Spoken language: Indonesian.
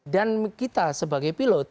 dan kita sebagai pilot